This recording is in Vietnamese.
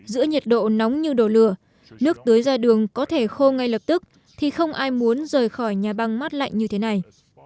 giữa nhiệt độ nóng như đồ lửa nước tưới ra đường có thể khô ngay lập tức thì không ai muốn rời khỏi nhà băng mát lạnh như thế này